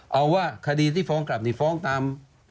เอาว่าคดีที่ฟ้องกลับนี่ฟ้องตาม